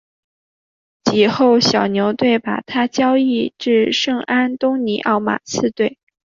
及后小牛队把他交易至圣安东尼奥马刺队。